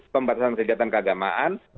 pembatasan kegiatan keagamaan